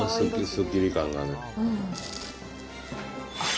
すっきり感がね。